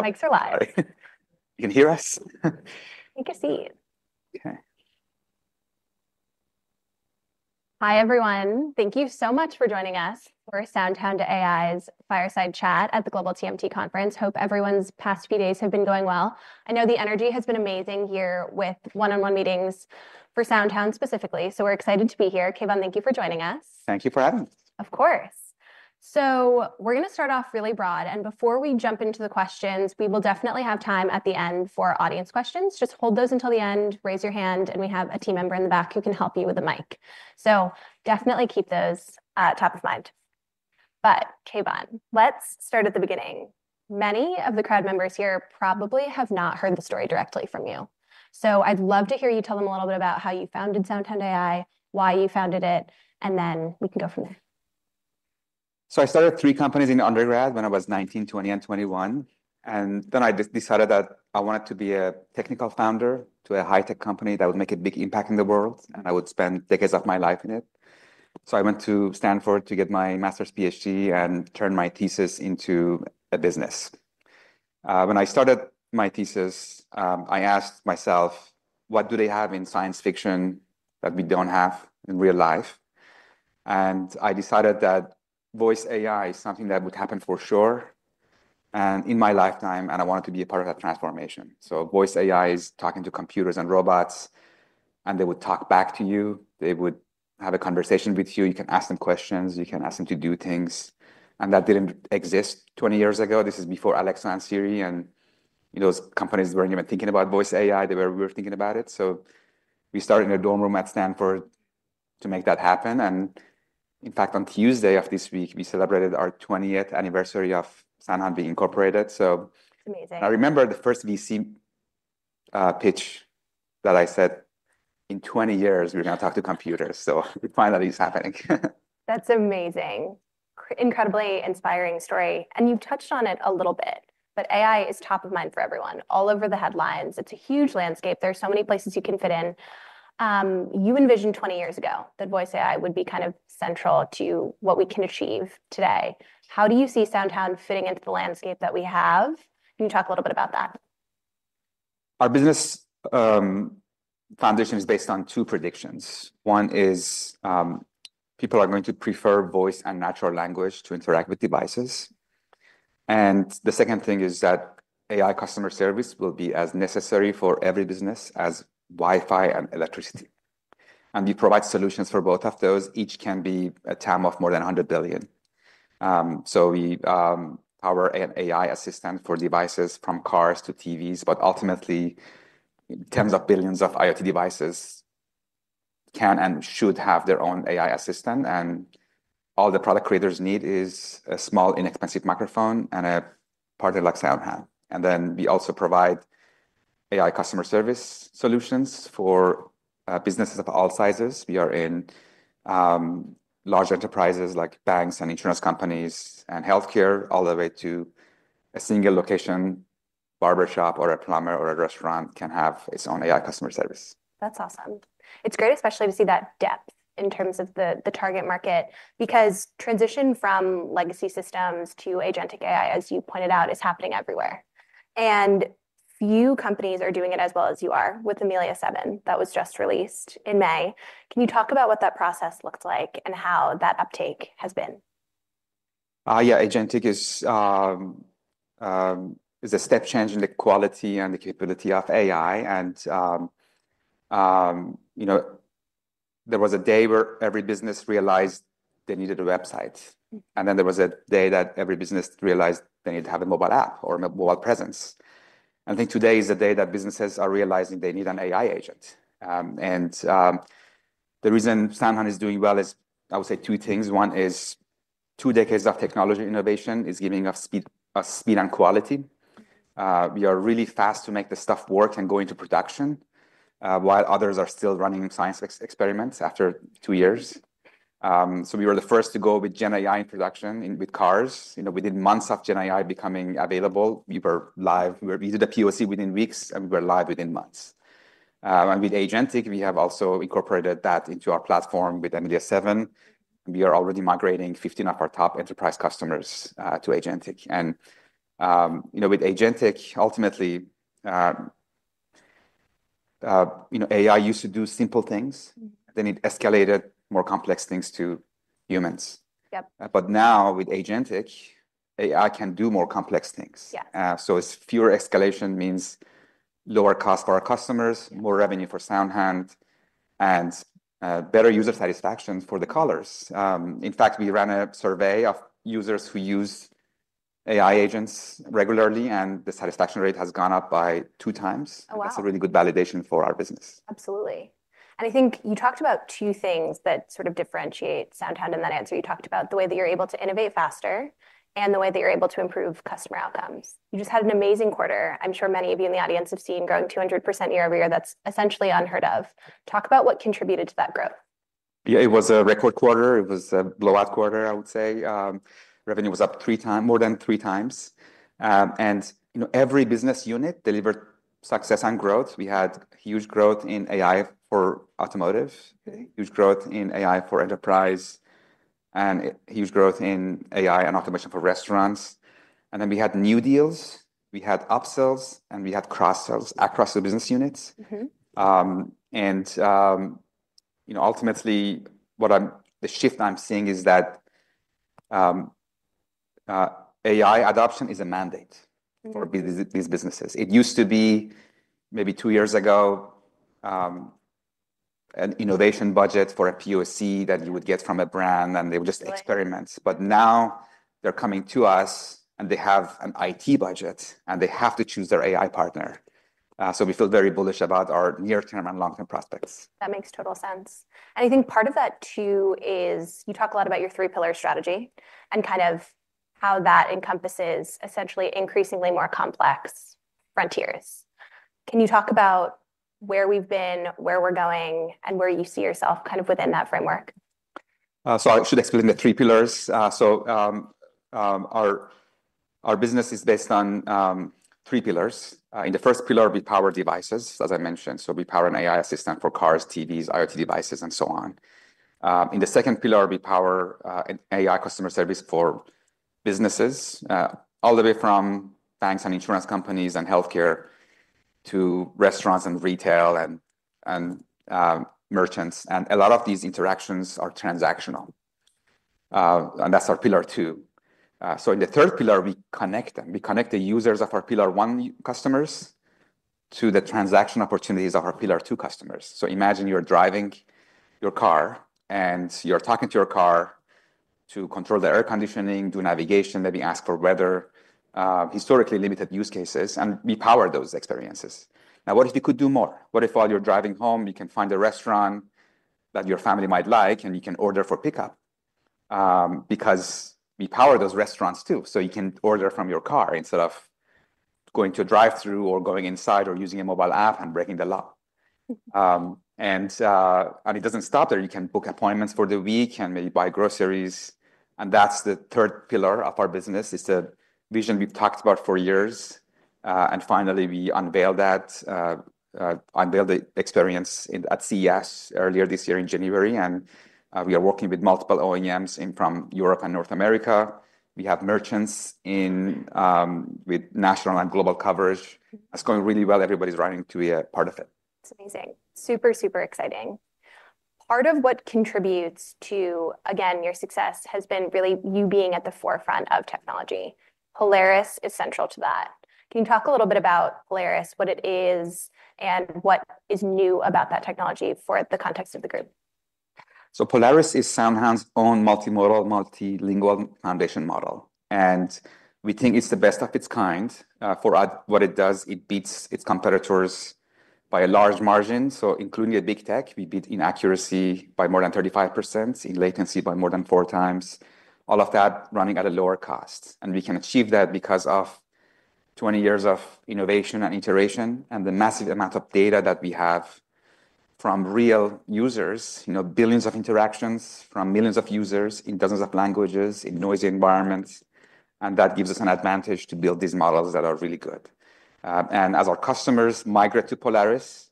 Thanks a lot. You can hear us? We can see you. Okay. Hi everyone, thank you so much for joining us for SoundHound AI's fireside chat at the Global TMT Conference. Hope everyone's past few days have been going well. I know the energy has been amazing here with one-on-one meetings for SoundHound AI specifically, so we're excited to be here. Keyvan, thank you for joining us. Thank you for having me. Of course. We're going to start off really broad, and before we jump into the questions, we will definitely have time at the end for audience questions. Just hold those until the end, raise your hand, and we have a team member in the back who can help you with the mic. Definitely keep those top of mind. Keyvan, let's start at the beginning. Many of the crowd members here probably have not heard the story directly from you. I'd love to hear you tell them a little bit about how you founded SoundHound AI, why you founded it, and then we can go from there. I started three companies in undergrad when I was 19, 20, and 21, and then I just decided that I wanted to be a technical founder to a high-tech company that would make a big impact in the world, and I would spend decades of my life in it. I went to Stanford to get my master's PhD and turn my thesis into a business. When I started my thesis, I asked myself, what do they have in science fiction that we don't have in real life? I decided that voice AI is something that would happen for sure in my lifetime, and I wanted to be a part of that transformation. Voice AI is talking to computers and robots, and they would talk back to you. They would have a conversation with you. You can ask them questions. You can ask them to do things. That didn't exist 20 years ago. This is before Alexa and Siri, and those companies weren't even thinking about voice AI. We started in a dorm room at Stanford to make that happen. In fact, on Tuesday of this week, we celebrated our 20th anniversary of SoundHound AI being incorporated. Amazing. I remember the first VC pitch that I said, in 20 years, we're going to talk to computers. It finally is happening. That's amazing. Incredibly inspiring story. You touched on it a little bit, but AI is top of mind for everyone, all over the headlines. It's a huge landscape. There are so many places you can fit in. You envisioned 20 years ago that voice AI would be kind of central to what we can achieve today. How do you see SoundHound AI fitting into the landscape that we have? You can talk a little bit about that. Our business foundation is based on two predictions. One is people are going to prefer voice and natural language to interact with devices. The second thing is that AI customer service will be as necessary for every business as Wi-Fi and electricity. We provide solutions for both of those. Each can be a TAM of more than $100 billion. We power an AI assistant for devices from cars to TVs, but ultimately, tens of billions of IoT devices can and should have their own AI assistant. All the product creators need is a small, inexpensive microphone and a partner like SoundHound AI. We also provide AI customer service solutions for businesses of all sizes. We are in large enterprises like banks and insurance companies and healthcare, all the way to a single location, barbershop, or a plumber, or a restaurant can have its own AI customer service. That's awesome. It's great, especially to see that depth in terms of the target market, because transition from legacy systems to Agentic AI, as you pointed out, is happening everywhere. Few companies are doing it as well as you are with SoundHound AI that was just released in May. Can you talk about what that process looked like and how that uptake has been? Agentic is a step change in the quality and the capability of AI. There was a day where every business realized they needed a website. There was a day that every business realized they needed to have a mobile app or a mobile presence. I think today is the day that businesses are realizing they need an AI agent. The reason SoundHound AI is doing well is, I would say, two things. One is two decades of technology innovation is giving us speed and quality. We are really fast to make the stuff work and go into production, while others are still running science experiments after two years. We were the first to go with GenAI in production with cars. Within months of GenAI becoming available, we were live. We did a POC within weeks, and we were live within months. With Agentic, we have also incorporated that into our platform with Amelia 7. We are already migrating 15 of our top enterprise customers to Agentic. With Agentic, ultimately, AI used to do simple things. Then it escalated more complex things to humans. Yep. Now, with Agentic, AI can do more complex things. Yeah. Fewer escalations mean lower cost for our customers, more revenue for SoundHound AI, and better user satisfaction for the callers. In fact, we ran a survey of users who use AI agents regularly, and the satisfaction rate has gone up by 2x. Oh, wow. That's a really good validation for our business. Absolutely. I think you talked about two things that sort of differentiate SoundHound AI in that answer. You talked about the way that you're able to innovate faster and the way that you're able to improve customer outcomes. You just had an amazing quarter. I'm sure many of you in the audience have seen growing 200% year over year. That's essentially unheard of. Talk about what contributed to that growth. Yeah, it was a record quarter. It was a blowout quarter, I would say. Revenue was up three times, more than three times. Every business unit delivered success and growth. We had huge growth in AI for automotive, huge growth in AI for enterprise, and huge growth in AI and automation for restaurants. We had new deals, upsells, and cross-sells across the business units. Ultimately, what the shift I'm seeing is that AI adoption is a mandate for these businesses. It used to be, maybe two years ago, an innovation budget for a POC that you would get from a brand, and they would just experiment. Now they're coming to us, and they have an IT budget, and they have to choose their AI partner. We feel very bullish about our near-term and long-term prospects. That makes total sense. I think part of that, too, is you talk a lot about your three-pillar strategy and how that encompasses essentially increasingly more complex frontiers. Can you talk about where we've been, where we're going, and where you see yourself within that framework? I should explain the three pillars. Our business is based on three pillars. In the first pillar, we power devices, as I mentioned. We power an AI assistant for cars, TVs, IoT devices, and so on. In the second pillar, we power an AI customer service for businesses, all the way from banks and insurance companies and healthcare to restaurants and retail and merchants. A lot of these interactions are transactional. That's our pillar two. In the third pillar, we connect them. We connect the users of our pillar one customers to the transaction opportunities of our pillar two customers. Imagine you're driving your car, and you're talking to your car to control the air conditioning, do navigation, maybe ask for weather, historically limited use cases, and we power those experiences. What if you could do more? What if while you're driving home, you can find a restaurant that your family might like, and you can order for pickup? We power those restaurants, too. You can order from your car instead of going to a drive-thru or going inside or using a mobile app and breaking the law. It doesn't stop there. You can book appointments for the week and maybe buy groceries. That's the third pillar of our business. It's a vision we've talked about for years. We finally unveiled the experience at CES earlier this year in January. We are working with multiple OEMs from Europe and North America. We have merchants with national and global coverage. It's going really well. Everybody's writing to be a part of it. That's amazing. Super, super exciting. Part of what contributes to, again, your success has been really you being at the forefront of technology. Polaris is central to that. Can you talk a little bit about Polaris, what it is, and what is new about that technology for the context of the group? Polaris is SoundHound AI's own multimodal, multilingual foundation model. We think it's the best of its kind. For what it does, it beats its competitors by a large margin. Including big tech, we beat in accuracy by more than 35%, in latency by more than four times, all of that running at a lower cost. We can achieve that because of 20 years of innovation and iteration and the massive amount of data that we have from real users, billions of interactions from millions of users in dozens of languages, in noisy environments. That gives us an advantage to build these models that are really good. As our customers migrate to Polaris,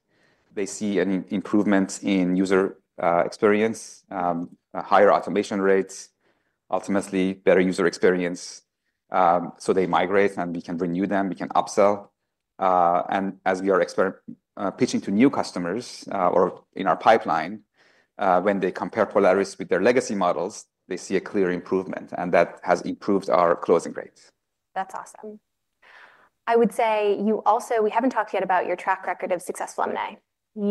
they see an improvement in user experience, higher automation rates, ultimately better user experience. They migrate, and we can renew them. We can upsell. As we are pitching to new customers or in our pipeline, when they compare Polaris with their legacy models, they see a clear improvement. That has improved our closing rates. That's awesome. I would say you also, we haven't talked yet about your track record of successful M&A.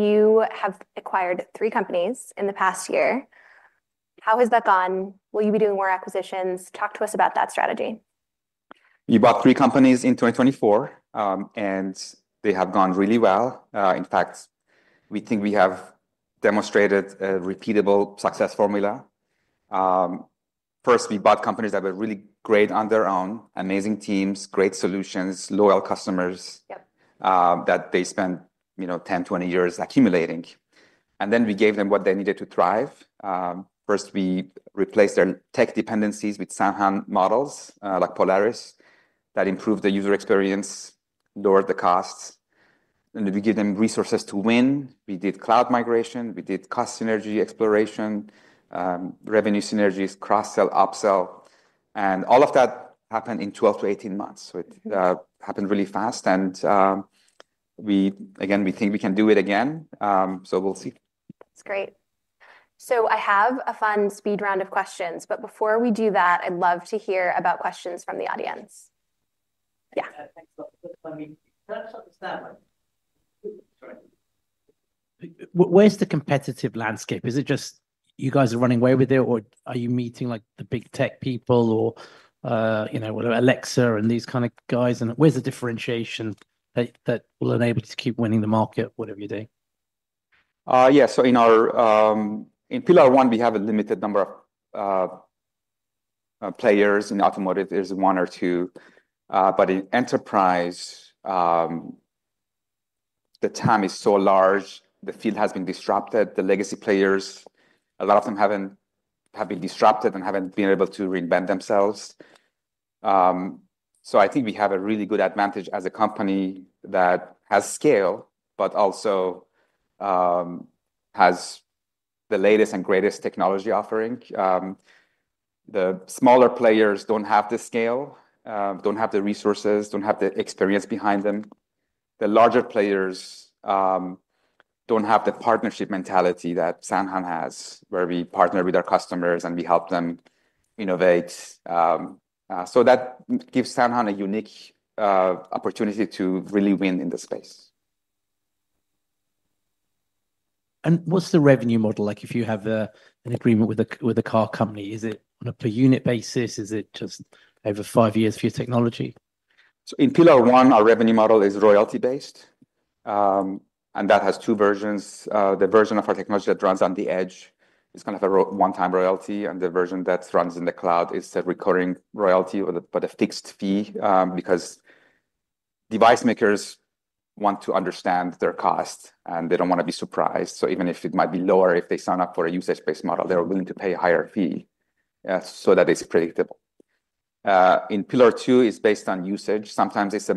You have acquired three companies in the past year. How has that gone? Will you be doing more acquisitions? Talk to us about that strategy. We bought three companies in 2024, and they have gone really well. In fact, we think we have demonstrated a repeatable success formula. First, we bought companies that were really great on their own, amazing teams, great solutions, loyal customers that they spent 10, 20 years accumulating. We gave them what they needed to thrive. First, we replaced their tech dependencies with SoundHound AI models like Polaris that improved the user experience, lowered the costs, and we gave them resources to win. We did cloud migration, cost synergy exploration, revenue synergies, cross-sell, upsell, and all of that happened in 12 to 18 months. It happened really fast. We think we can do it again. We'll see. That's great. I have a fun speed round of questions. Before we do that, I'd love to hear about questions from the audience. Yeah. Where's the competitive landscape? Is it just you guys are running away with it, or are you meeting like the big tech people, you know, Alexa and these kind of guys? Where's the differentiation that will enable you to keep winning the market, whatever you do? Yeah, so in our, in pillar one, we have a limited number of players. In automotive, there's one or two. In enterprise, the TAM is so large, the field has been disrupted. The legacy players, a lot of them have been disrupted and haven't been able to reinvent themselves. I think we have a really good advantage as a company that has scale, but also has the latest and greatest technology offering. The smaller players don't have the scale, don't have the resources, don't have the experience behind them. The larger players don't have the partnership mentality that SoundHound has, where we partner with our customers and we help them innovate. That gives SoundHound a unique opportunity to really win in the space. What’s the revenue model? If you have an agreement with a car company, is it on a per unit basis? Is it just over five years for your technology? In pillar one, our revenue model is royalty-based. That has two versions. The version of our technology that runs on the edge is going to have a one-time royalty, and the version that runs in the cloud is a recurring royalty, but a fixed fee because device makers want to understand their cost and they don't want to be surprised. Even if it might be lower, if they sign up for a usage-based model, they're willing to pay a higher fee so that it's predictable. In pillar two, it's based on usage. Sometimes it's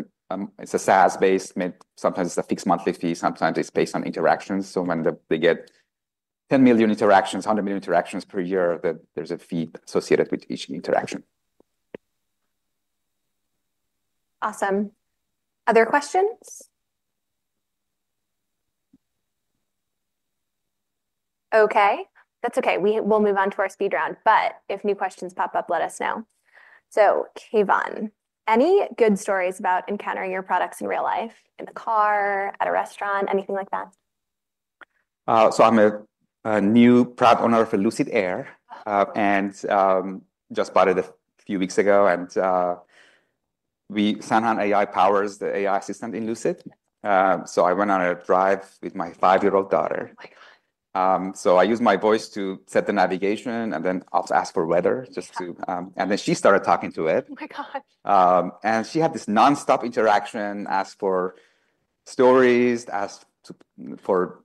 SaaS-based, sometimes it's a fixed monthly fee, sometimes it's based on interactions. When they get 10 million interactions, 100 million interactions per year, there's a fee associated with each interaction. Awesome. Other questions? OK, that's OK. We'll move on to our speed round. If new questions pop up, let us know. Keyvan, any good stories about encountering your products in real life, in the car, at a restaurant, anything like that? I'm a new product owner for Lucid Air and just bought it a few weeks ago. SoundHound AI powers the AI assistant in Lucid. I went on a drive with my five-year-old daughter. I used my voice to set the navigation and then also ask for weather, just to, and then she started talking to it. Oh my God. She had this nonstop interaction, asked for stories, asked for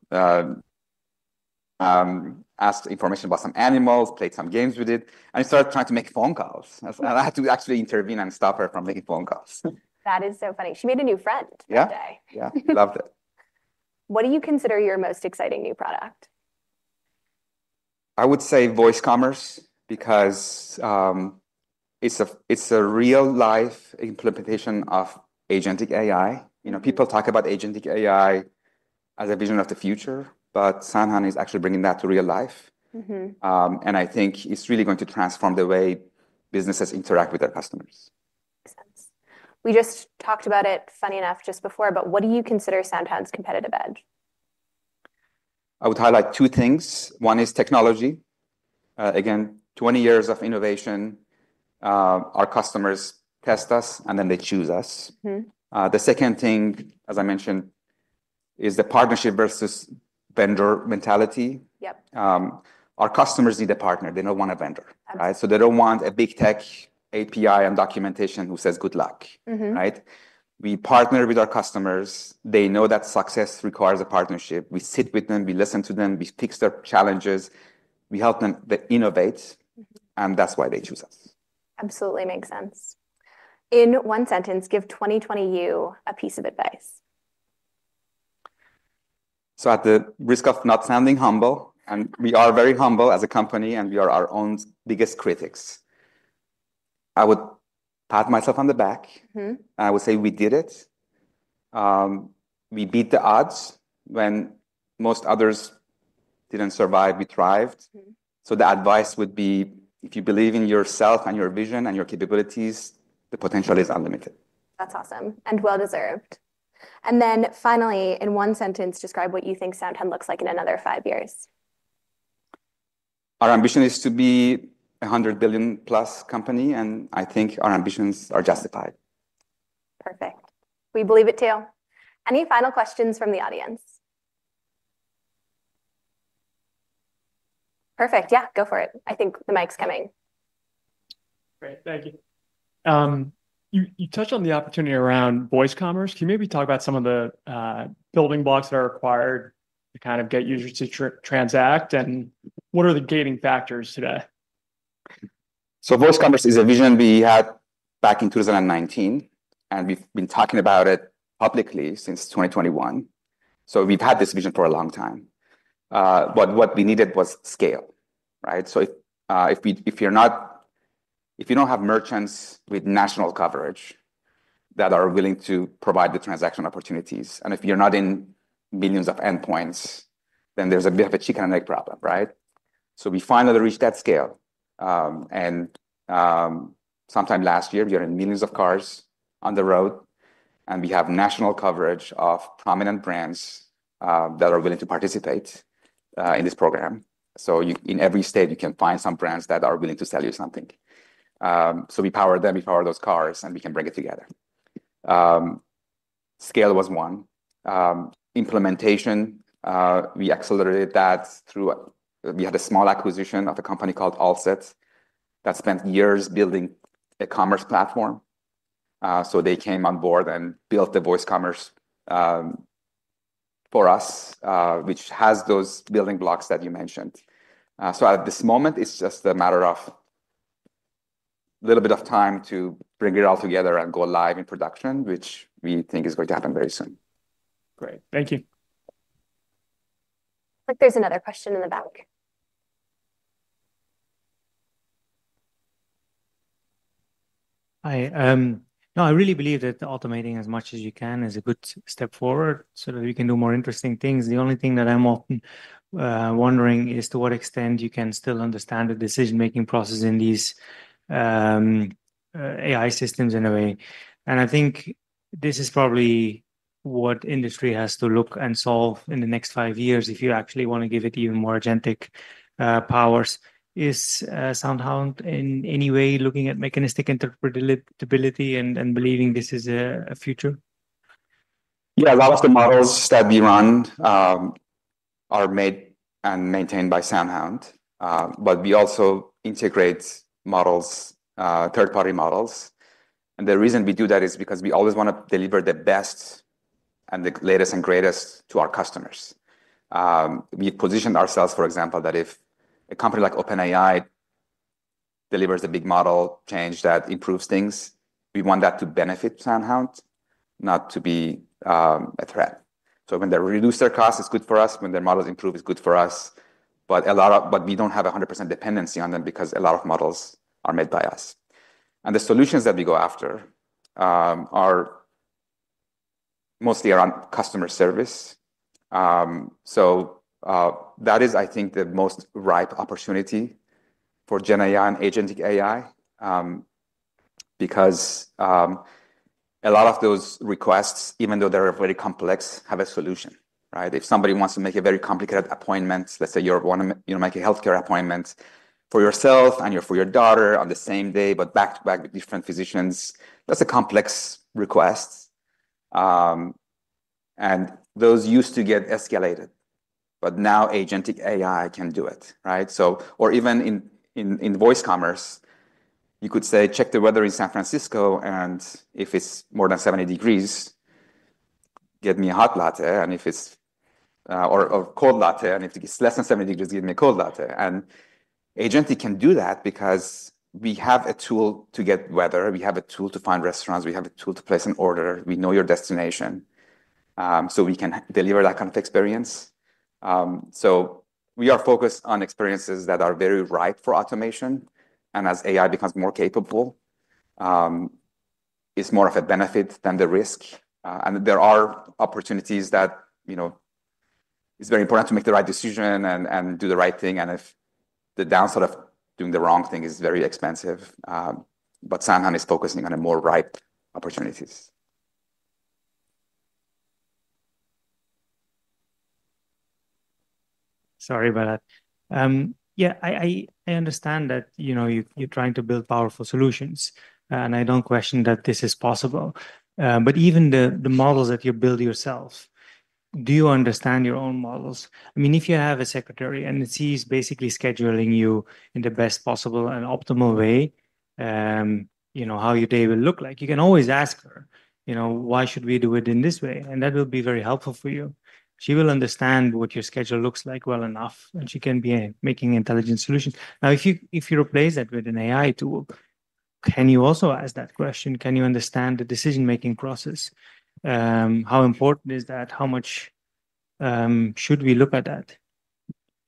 information about some animals, played some games with it, and started trying to make phone calls. I had to actually intervene and stop her from making phone calls. That is so funny. She made a new friend that day. Yeah, yeah, loved it. What do you consider your most exciting new product? I would say voice commerce because it's a real-life implementation of Agentic AI. People talk about Agentic AI as a vision of the future, but SoundHound AI is actually bringing that to real life. I think it's really going to transform the way businesses interact with their customers. Makes sense. We just talked about it, funny enough, just before, but what do you consider SoundHound AI's competitive edge? I would highlight two things. One is technology. Again, 20 years of innovation. Our customers test us, and then they choose us. The second thing, as I mentioned, is the partnership versus vendor mentality. Yep. Our customers need a partner. They don't want a vendor. Right. They don't want a big tech API and documentation who says, "Good luck." Right? We partner with our customers. They know that success requires a partnership. We sit with them, we listen to them, we fix their challenges, and we help them innovate. That's why they choose us. Absolutely makes sense. In one sentence, give 2020 you a piece of advice. At the risk of not sounding humble, and we are very humble as a company, and we are our own biggest critics, I would pat myself on the back. I would say we did it. We beat the odds when most others didn't survive. We thrived. The advice would be, if you believe in yourself and your vision and your capabilities, the potential is unlimited. That's awesome and well deserved. Finally, in one sentence, describe what you think SoundHound looks like in another five years. Our ambition is to be a $100 billion-plus company, and I think our ambitions are justified. Perfect. We believe it too. Any final questions from the audience? Perfect. Yeah, go for it. I think the mic's coming. Great. Thank you. You touched on the opportunity around voice commerce. Can you maybe talk about some of the building blocks that are required to kind of get users to transact? What are the gating factors today? Voice commerce is a vision we had back in 2019, and we've been talking about it publicly since 2021. We've had this vision for a long time. What we needed was scale, right? If you don't have merchants with national coverage that are willing to provide the transaction opportunities, and if you're not in millions of endpoints, then you have a chicken and egg problem, right? We finally reached that scale. Sometime last year, we were in millions of cars on the road, and we have national coverage of prominent brands that are willing to participate in this program. In every state, you can find some brands that are willing to sell you something. We power them. We power those cars, and we can bring it together. Scale was one. Implementation, we accelerated that through a small acquisition of a company called Allset that spent years building a commerce platform. They came on board and built the voice commerce for us, which has those building blocks that you mentioned. At this moment, it's just a matter of a little bit of time to bring it all together and go live in production, which we think is going to happen very soon. Great. Thank you. Looks like there's another question in the back. Hi. No, I really believe that automating as much as you can is a good step forward so that you can do more interesting things. The only thing that I'm often wondering is to what extent you can still understand the decision-making process in these AI systems in a way. I think this is probably what industry has to look and solve in the next five years if you actually want to give it even more Agentic powers. Is SoundHound AI in any way looking at mechanistic interpretability and believing this is a future? Yeah, a lot of the models that we run are made and maintained by SoundHound AI. We also integrate models, third-party models. The reason we do that is because we always want to deliver the best and the latest and greatest to our customers. We positioned ourselves, for example, that if a company like OpenAI delivers a big model change that improves things, we want that to benefit SoundHound AI, not to be a threat. When they reduce their cost, it's good for us. When their models improve, it's good for us. We don't have 100% dependency on them because a lot of models are made by us. The solutions that we go after are mostly around customer service. That is, I think, the most ripe opportunity for GenAI and Agentic AI because a lot of those requests, even though they're very complex, have a solution, right? If somebody wants to make a very complicated appointment, let's say you want to make a healthcare appointment for yourself and for your daughter on the same day, but back to back with different physicians, that's a complex request. Those used to get escalated. Now Agentic AI can do it, right? Even in voice commerce, you could say, check the weather in San Francisco, and if it's more than 70 degrees, get me a hot latte. If it's less than 70 degrees, give me a cold latte. Agentic can do that because we have a tool to get weather. We have a tool to find restaurants. We have a tool to place an order. We know your destination. We can deliver that kind of experience. We are focused on experiences that are very ripe for automation. As AI becomes more capable, it's more of a benefit than the risk. There are opportunities that it's very important to make the right decision and do the right thing. If the downside of doing the wrong thing is very expensive, SoundHound AI is focusing on more ripe opportunities. Sorry about that. Yeah, I understand that you're trying to build powerful solutions. I don't question that this is possible. Even the models that you build yourself, do you understand your own models? I mean, if you have a secretary and she's basically scheduling you in the best possible and optimal way, you know how your day will look like. You can always ask her, you know, why should we do it in this way? That will be very helpful for you. She will understand what your schedule looks like well enough, and she can be making intelligent solutions. If you replace that with an AI tool, can you also ask that question? Can you understand the decision-making process? How important is that? How much should we look at that?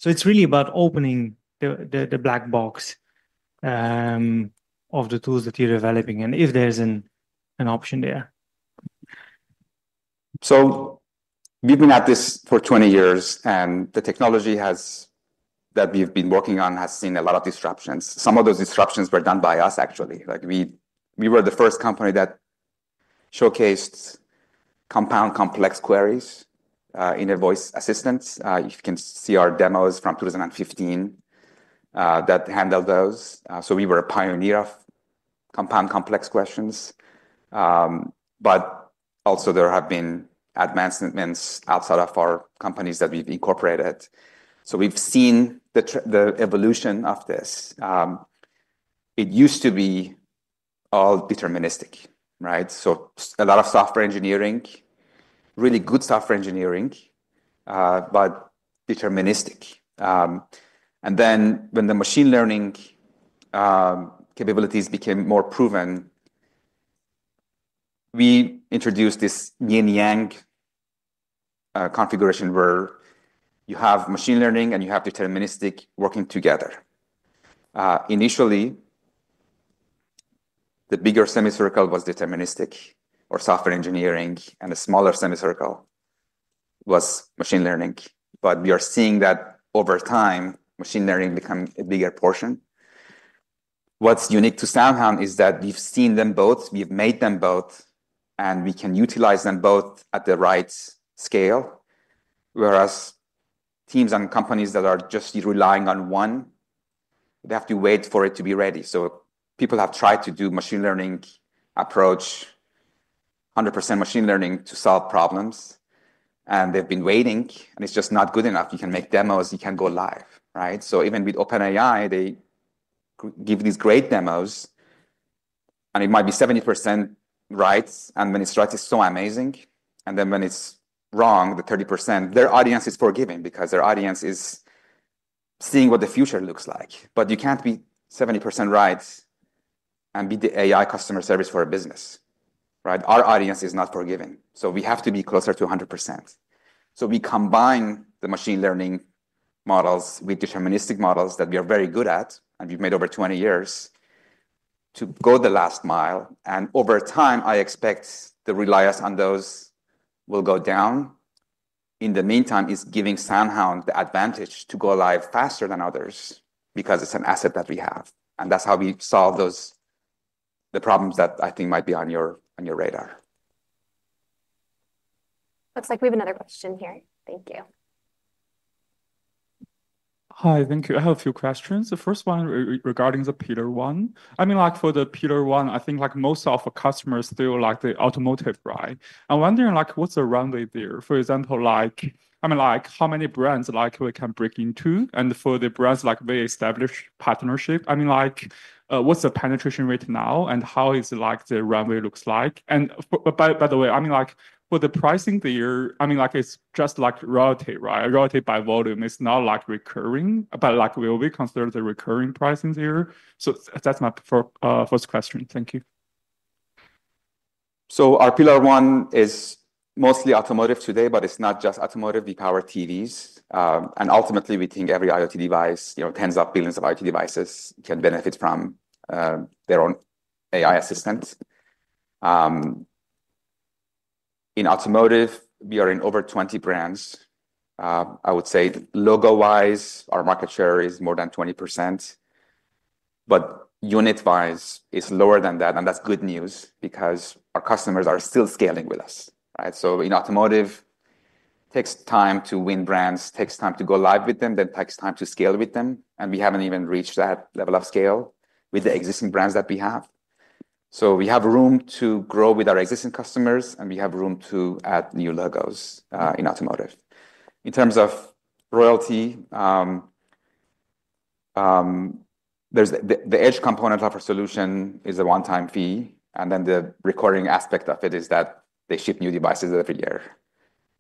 It's really about opening the black box of the tools that you're developing and if there's an option there. We have been at this for 20 years, and the technology that we have been working on has seen a lot of disruptions. Some of those disruptions were done by us, actually. We were the first company that showcased compound complex queries in a voice assistant. You can see our demos from 2015 that handle those. We were a pioneer of compound complex questions. There have been advancements outside of our company that we have incorporated. We have seen the evolution of this. It used to be all deterministic, right? A lot of software engineering, really good software engineering, but deterministic. When the machine learning capabilities became more proven, we introduced this yin-yang configuration where you have machine learning and you have deterministic working together. Initially, the bigger semicircle was deterministic or software engineering, and the smaller semicircle was machine learning. Over time, machine learning becomes a bigger portion. What's unique to SoundHound AI is that we have seen them both. We have made them both. We can utilize them both at the right scale. Teams and companies that are just relying on one have to wait for it to be ready. People have tried to do a machine learning approach, 100% machine learning to solve problems. They have been waiting, and it's just not good enough. You can make demos. You can go live, right? Even with OpenAI, they give these great demos, and it might be 70% right. When it's right, it's so amazing. When it's wrong, the 30%, their audience is forgiving because their audience is seeing what the future looks like. You can't be 70% right and be the AI customer service for a business, right? Our audience is not forgiving. We have to be closer to 100%. We combine the machine learning models with deterministic models that we are very good at, and we have made over 20 years to go the last mile. Over time, I expect the reliance on those will go down. In the meantime, it's giving SoundHound AI the advantage to go live faster than others because it's an asset that we have. That's how we solve the problems that I think might be on your radar. Looks like we have another question here. Thank you. Hi. Thank you. I have a few questions. The first one regarding the pillar one. For the pillar one, I think most of our customers do like the automotive, right? I'm wondering what's the runway there? For example, how many brands we can break into? For the brands they establish partnership, what's the penetration rate now and how does the runway look? By the way, for the pricing there, it's just royalty, right? Royalty by volume. It's not recurring, but will we consider the recurring pricing there? That's my first question. Thank you. Our pillar one is mostly automotive today, but it's not just automotive. We power TVs, and ultimately, we think every IoT device, you know, tens of billions of IoT devices, can benefit from their own AI assistant. In automotive, we are in over 20 brands. I would say logo-wise, our market share is more than 20%, but unit-wise, it's lower than that. That's good news because our customers are still scaling with us, right? In automotive, it takes time to win brands, takes time to go live with them, then takes time to scale with them. We haven't even reached that level of scale with the existing brands that we have. We have room to grow with our existing customers, and we have room to add new logos in automotive. In terms of royalty, the edge component of our solution is a one-time fee, and the recurring aspect of it is that they ship new devices every year.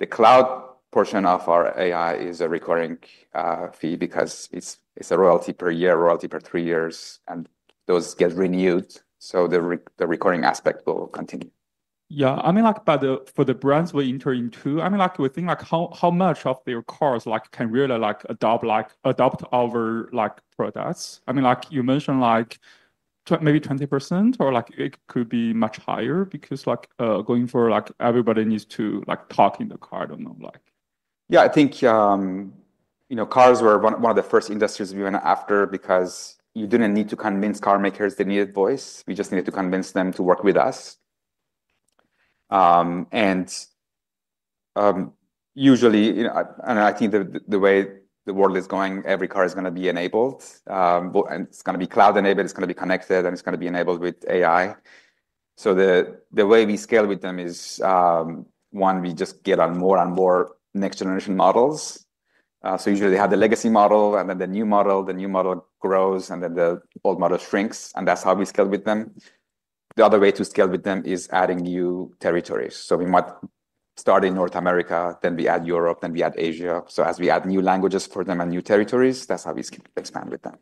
The cloud portion of our AI is a recurring fee because it's a royalty per year, royalty per three years, and those get renewed. The recurring aspect will continue. Yeah. I mean, for the brands we're entering into, we think how much of their cars can really adopt our products. You mentioned maybe 20%, or it could be much higher because going forward, everybody needs to talk in the car. Yeah, I think cars were one of the first industries we went after because you didn't need to convince car makers they needed voice. We just needed to convince them to work with us. I think the way the world is going, every car is going to be enabled. It's going to be cloud-enabled. It's going to be connected, and it's going to be enabled with AI. The way we scale with them is, one, we just get on more and more next-generation models. Usually, they have the legacy model, and then the new model, the new model grows, and then the old model shrinks. That's how we scale with them. The other way to scale with them is adding new territories. We might start in North America, then we add Europe, then we add Asia. As we add new languages for them and new territories, that's how we expand with them.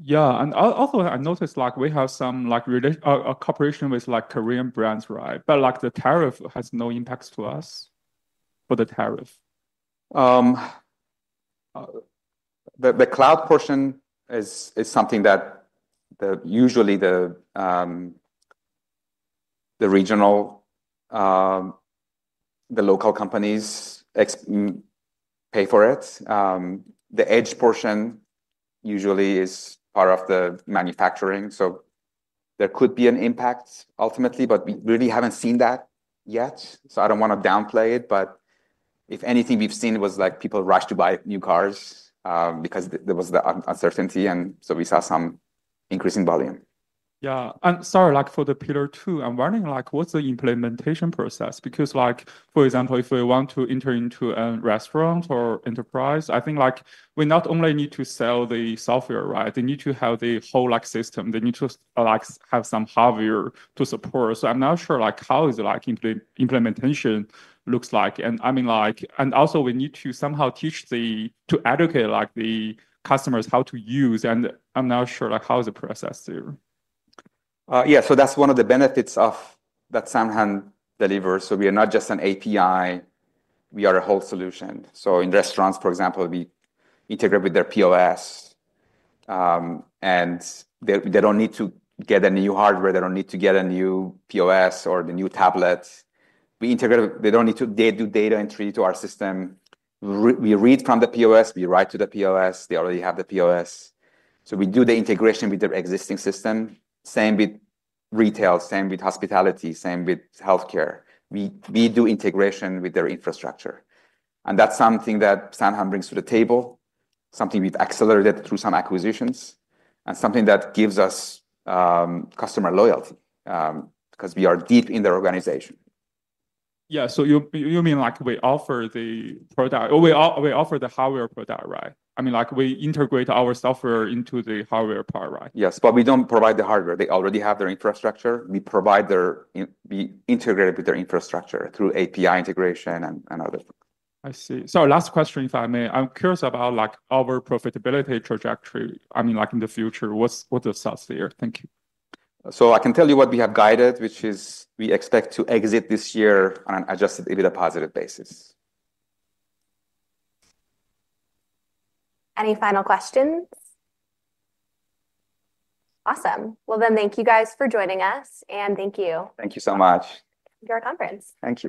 Yeah. I noticed we have some cooperation with Korean brands, right? The tariff has no impact to us for the tariff. The cloud portion is something that usually the regional, the local companies pay for it. The edge portion usually is part of the manufacturing. There could be an impact ultimately, but we really haven't seen that yet. I don't want to downplay it. If anything we've seen was like people rush to buy new cars because there was the uncertainty, and we saw some increase in volume. Yeah. For pillar two, I'm wondering what's the implementation process? For example, if we want to enter into a restaurant or enterprise, I think we not only need to sell the software, right? They need to have the whole system. They need to have some hardware to support. I'm not sure how the implementation looks like. Also, we need to somehow teach or educate the customers how to use it. I'm not sure how the process is there. Yeah, that's one of the benefits of what SoundHound AI delivers. We are not just an API. We are a whole solution. In restaurants, for example, we integrate with their POS. They don't need to get new hardware. They don't need to get a new POS or a new tablet. They don't need to do data entry to our system. We read from the POS and write to the POS. They already have the POS. We do the integration with their existing system. Same with retail, same with hospitality, same with healthcare. We do integration with their infrastructure. That's something that SoundHound AI brings to the table, something we've accelerated through some acquisitions, and something that gives us customer loyalty because we are deep in their organization. Yeah, you mean we offer the product or we offer the hardware product, right? I mean, we integrate our software into the hardware part, right? Yes, we don't provide the hardware. They already have their infrastructure. We integrate with their infrastructure through API integration and others. I see. Last question, if I may. I'm curious about our profitability trajectory. In the future, what's the thought there? Thank you. I can tell you what we have guided, which is we expect to exit this year on an adjusted EBITDA positive basis. Any final questions? Awesome. Thank you guys for joining us, and thank you. Thank you so much. Thank you for our conference. Thank you.